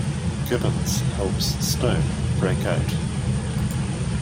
Gibbons helps Stone break out.